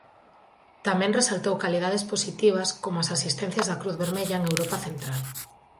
Tamén resaltou calidades positivas como as asistencias da Cruz Vermella en Europa Central.